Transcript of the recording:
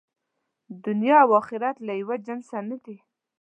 دنیا او آخرت له یوه جنسه نه دي.